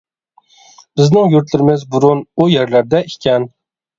بىزنىڭ يۇرتلىرىمىز بۇرۇن ئۇ يەرلەردە ئىكەن.